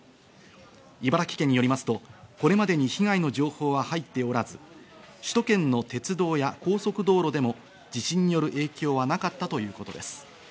茨城県によりますと、これまでに被害の情報は入っておらず、首都圏の鉄道や高速道路でも地震による影響はなかったということです。